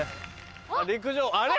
陸上あれ？